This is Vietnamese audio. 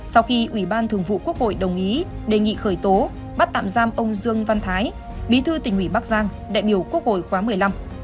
sau khi ủy ban thường vụ quốc hội đồng ý đề nghị khởi tố bắt tạm giam ông dương văn thái bí thư tỉnh ủy bắc giang đại biểu quốc hội khóa một mươi năm